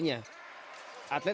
dan ke orang tuanya